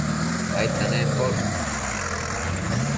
aidta nemposh?